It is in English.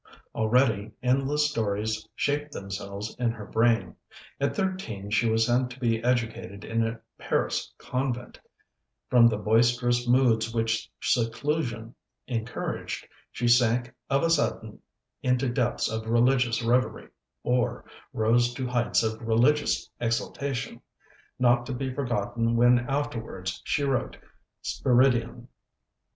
Already endless stories shaped themselves in her brain. At thirteen she was sent to be educated in a Paris convent; from the boisterous moods which seclusion encouraged, she sank of a sudden into depths of religious reverie, or rose to heights of religious exaltation, not to be forgotten when afterwards she wrote Spiridion.